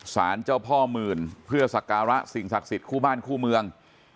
สารเจ้าพ่อหมื่นเพื่อสักการะสิ่งศักดิ์สิทธิ์คู่บ้านคู่เมือง